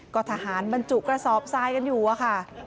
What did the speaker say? ก็ทหารบรรจุกระสอบทรายกันอยู่อะค่ะ